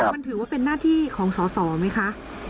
มันถือว่าเป็นหน้าที่ของสอสอไหมคะ